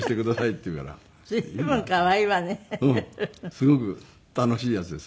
すごく楽しいヤツです。